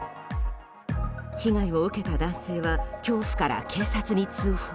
被害を受けた男性は恐怖から、警察に通報。